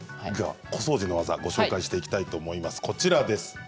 小掃除の技を紹介していきたいと思います。